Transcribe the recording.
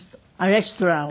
レストランを？